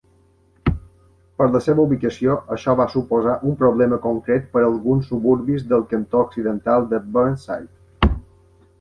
Per la seva ubicació, això va suposar un problema concret per a alguns suburbis del cantó occidental de Burnside.